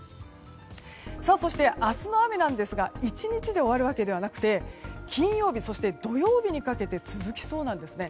そして、明日の雨なんですが１日で終わるわけではなくて金曜日そして土曜日にかけて続きそうなんですね。